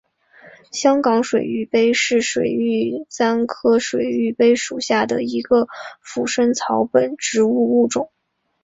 香港水玉杯是水玉簪科水玉杯属下的一个腐生草本植物物种。